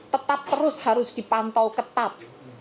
tetap terus harus dipantau ketat